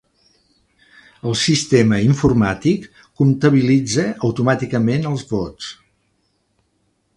El sistema informàtic comptabilitza automàticament els vots.